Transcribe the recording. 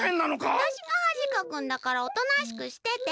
わたしがはじかくんだからおとなしくしてて。